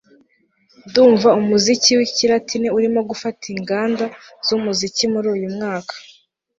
Ndumva umuziki wikilatini urimo gufata inganda zumuziki muri uyumwaka